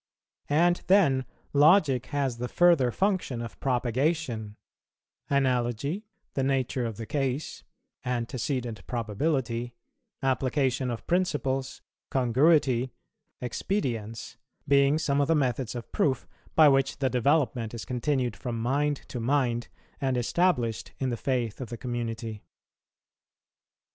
And then logic has the further function of propagation; analogy, the nature of the case, antecedent probability, application of principles, congruity, expedience, being some of the methods of proof by which the development is continued from mind to mind and established in the faith of the community.